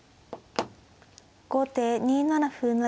後手２七歩成。